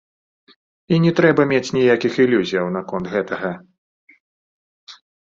І не трэба мець ніякіх ілюзіяў наконт гэтага.